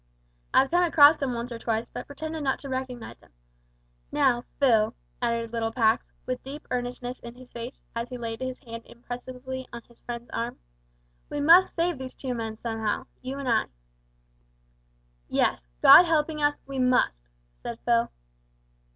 I've come across 'im once or twice, but pretended not to recognise 'im. Now, Phil," added little Pax, with deep earnestness in his face, as he laid his hand impressively on his friend's arm, "we must save these two men somehow you and I." "Yes, God helping us, we must," said Phil.